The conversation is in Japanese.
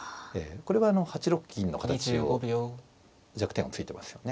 これはあの８六銀の形を弱点を突いてますよね。